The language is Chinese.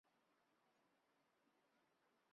又表示不回应会否引咎辞职。